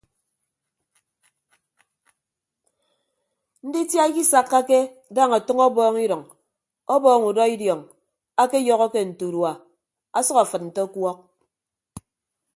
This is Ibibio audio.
Nditia ikisakkake daña ọtʌñ ọbọọñ idʌñ ọbọọñ udọ idiọñ akeyọhọke nte urua asʌk afịd nte ọkuọk.